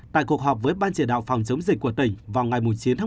tại cuộc họp với ban chỉ đạo phòng chống dịch của tỉnh vào ngày chín một mươi một